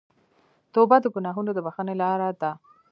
توبه د ګناهونو د بخښنې لاره ده.